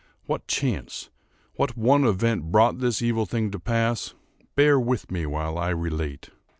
What chance—what one event brought this evil thing to pass, bear with me while I relate.